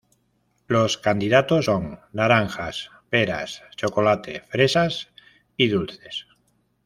Los candidatos son: "Naranjas", "Peras", "Chocolate", "Fresas", y "Dulces".